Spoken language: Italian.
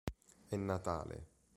È Natale